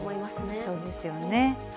そうですよね。